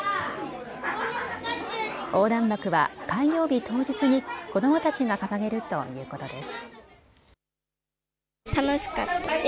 横断幕は開業日当日に子どもたちが掲げるということです。